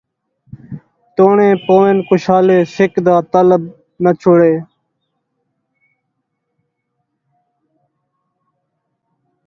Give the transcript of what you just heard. توݨے پوون کشالے، سک دا طالب ناں چھوڑے